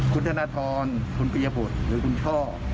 คุณขณะทตรคุณประยะบทหรือคุณช่อ